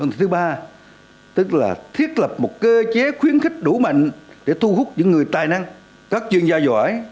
thứ ba tức là thiết lập một cơ chế khuyến khích đủ mạnh để thu hút những người tài năng các chuyên gia giỏi